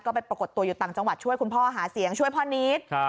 ก็ไปประกดตัวอยู่ตางจังหวัดช่วยคุณพ่อช่วยพ่อนิท